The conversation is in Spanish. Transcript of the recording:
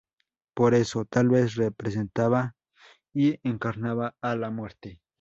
Por eso, tal vez, representaba y encarnaba a la Muerte.